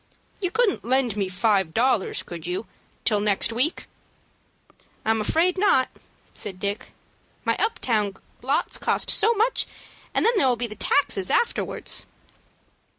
You couldn't lend me five dollars, could you, till next week?" "I'm afraid not," said Dick. "My up town lots cost so much, and then there'll be the taxes afterwards."